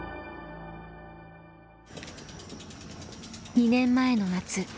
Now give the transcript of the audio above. ２年前の夏